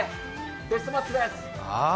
ベストマッチです。